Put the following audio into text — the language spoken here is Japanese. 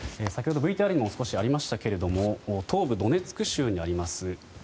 先ほど、ＶＴＲにも少しありましたけど東部ドネツク州にあります